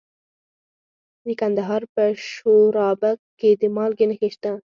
د کندهار په شورابک کې د مالګې نښې شته.